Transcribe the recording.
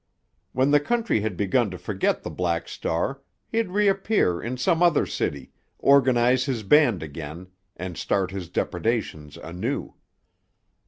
When the country had begun to forget the Black Star he'd reappear in some other city, organize his band again, and start his depredations anew.